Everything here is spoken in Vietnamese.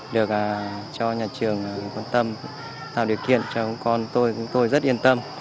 được cho nhà trường quan tâm tạo điều kiện cho con tôi chúng tôi rất yên tâm